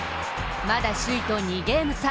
まだ首位と２ゲーム差。